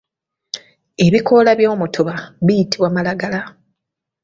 Ebikoola by’omutuba biyitibwa malagala.